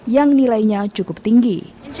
yang nilainya cukup tinggi